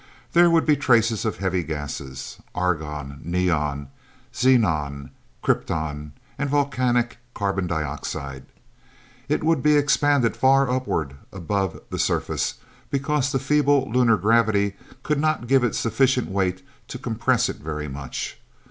There would be traces of heavy gases argon, neon, xenon, krypton, and volcanic carbon dioxide. It would be expanded far upward above the surface, because the feeble lunar gravity could not give it sufficient weight to compress it very much.